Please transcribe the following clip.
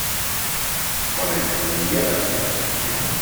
Van egy gúny jeled?